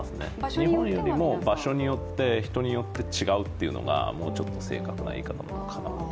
日本よりも場所によって、人によって違うというのがもうちょっと正確な言い方なのかなと。